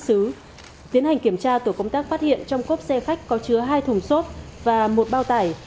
xứ tiến hành kiểm tra tổ công tác phát hiện trong cốp xe khách có chứa hai thùng xốp và một bao tải